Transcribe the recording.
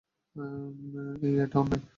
এই, এটা অন্যায়।